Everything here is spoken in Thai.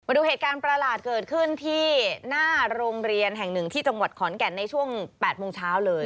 ดูเหตุการณ์ประหลาดเกิดขึ้นที่หน้าโรงเรียนแห่งหนึ่งที่จังหวัดขอนแก่นในช่วง๘โมงเช้าเลย